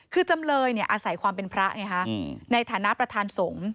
คือจำเลยอาศัยความเป็นพระในฐานะประธานสงฆ์